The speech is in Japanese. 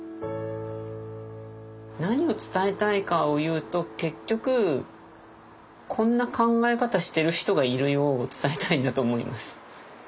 何を伝えたいかを言うと結局「こんな考え方してる人がいるよ」を伝えたいんだと思います。